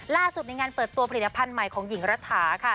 ในงานเปิดตัวผลิตภัณฑ์ใหม่ของหญิงรัฐาค่ะ